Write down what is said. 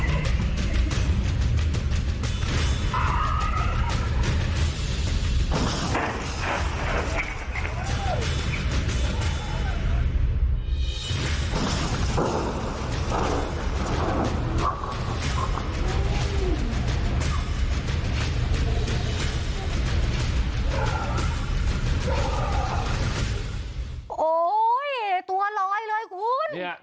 โอ้โหตัวลอยเลยคุณ